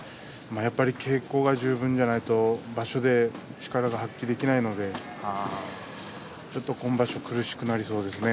稽古が十分ではないと場所で力が発揮できないのでちょっと今場所は苦しくなりそうですね。